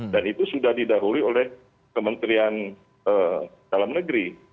dan itu sudah didahului oleh kementerian dalam negeri